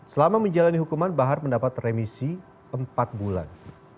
selama menjalani hukuman bahar mendapat remisi empat bulan